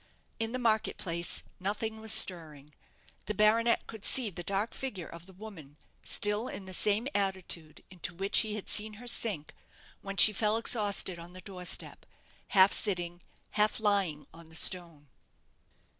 In the market place nothing was stirring. The baronet could see the dark figure of the woman still in the same attitude into which he had seen her sink when she fell exhausted on the door step, half sitting, half lying on the stone.